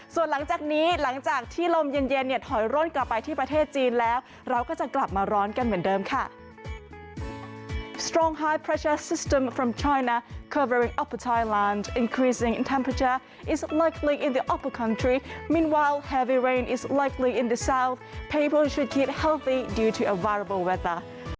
ส่วนหลังจากนี้หลังจากที่ลมเย็นเนี่ยถอยร่นกลับไปที่ประเทศจีนแล้วเราก็จะกลับมาร้อนกันเหมือนเดิมค่ะ